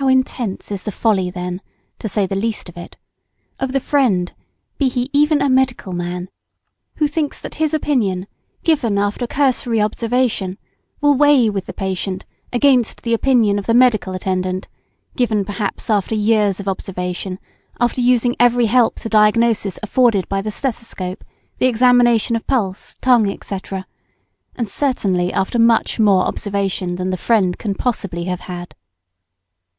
How intense is the folly, then, to say the least of it, of the friend, be he even a medical man, who thinks that his opinion, given after a cursory observation, will weigh with the patient, against the opinion of the medical attendant, given, perhaps, after years of observation, after using every help to diagnosis afforded by the stethoscope, the examination of pulse, tongue, &c. and certainly after much more observation than the friend can possibly have had.